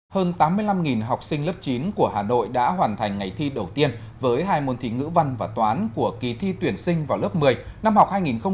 hơn tám mươi năm học sinh lớp chín của hà nội đã hoàn thành ngày thi đầu tiên với hai môn thí ngữ văn và toán của kỳ thi tuyển sinh vào lớp một mươi năm học hai nghìn hai mươi hai nghìn hai mươi